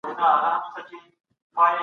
دا ناروغي تر اوسه قطعي درملنه نه لري.